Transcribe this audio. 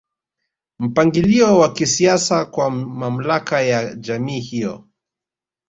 Mpangilio wa kisiasa kwa mamlaka ya jamii hiyo